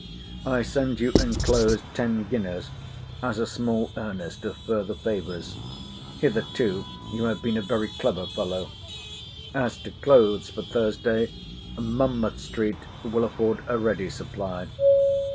I send you enclosed ten guineas, as a small earnest of further favours. Hitherto you have been a very clever fellow. As to clothes for Thursday, Monmouth street will afford a ready supply.